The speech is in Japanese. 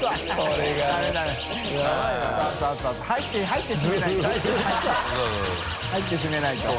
入って閉めないと。